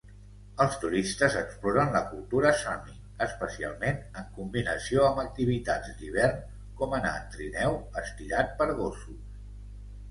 Els turistes exploren la cultura sami, especialment en combinació amb activitats d"hivern com anar en trineu estirat per gossos.